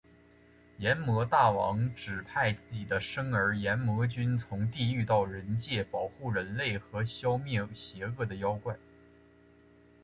阎魔大王指派自己的甥儿炎魔君从地狱到人界保护人类和消灭邪恶的妖怪。